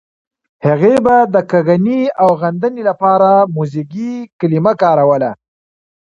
هغې به د کږنې او غندنې لپاره موزیګي کلمه کاروله.